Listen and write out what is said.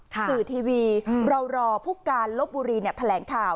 สื่อทีวีเรารอผู้การลบบุรีแถลงข่าว